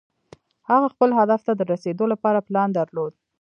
هغه خپل هدف ته د رسېدو لپاره پلان درلود.